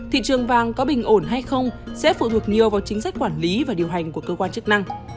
thị trường vàng có bình ổn hay không sẽ phụ thuộc nhiều vào chính sách quản lý và điều hành của cơ quan chức năng